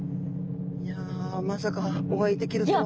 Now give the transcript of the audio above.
いやまさかお会いできるとは。